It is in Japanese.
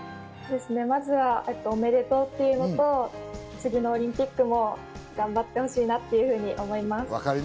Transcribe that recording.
まずは、おめでとうというのと、次のオリンピックも頑張ってほしいなと思います。